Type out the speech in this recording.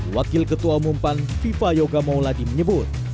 wakil ketua umum pan viva yoga mauladi menyebut